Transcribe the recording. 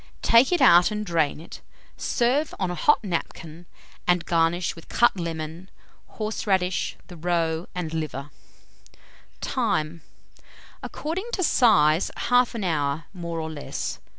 Take it out and drain it; serve on a hot napkin, and garnish with cut lemon, horseradish, the roe and liver. (See Coloured Plate C.) Time. According to size, 1/2 an hour, more or less.